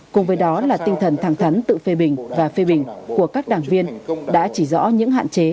cùng với đó là tinh thần thẳng thắn tự phê bình và phê bình của các đảng viên đã chỉ rõ những hạn chế